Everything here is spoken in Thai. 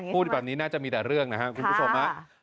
พูดแบบนี้น่าจะมีแต่เรื่องนะครับคุณผู้ชม